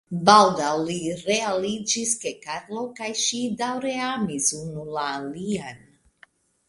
Baldaŭ li realiĝis ke Karlo kaj ŝi daŭre amis unu la alian.